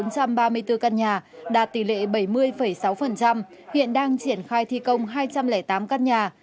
bốn trăm ba mươi bốn căn nhà đạt tỷ lệ bảy mươi sáu hiện đang triển khai thi công hai trăm linh tám căn nhà